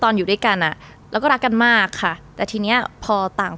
อยู่ด้วยกันอ่ะแล้วก็รักกันมากค่ะแต่ทีเนี้ยพอต่าง